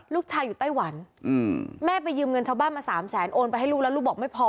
ลูกชายอยู่ไต้หวันแม่ไปยืมเงินชาวบ้านมาสามแสนโอนไปให้ลูกแล้วลูกบอกไม่พอ